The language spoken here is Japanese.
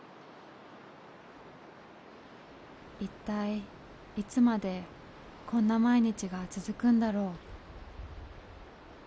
一体いつまでこんな毎日が続くんだろう。